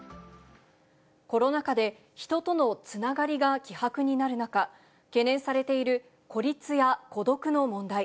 コロナ禍で、人とのつながりが希薄になる中、懸念されている孤立や孤独の問題。